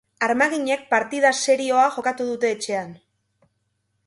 Armaginek partida serioa jokatu dute etxean.